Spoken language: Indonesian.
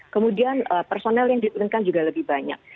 kemudian personel yang diturunkan juga lebih banyak